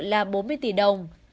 là bốn mươi tỷ đồng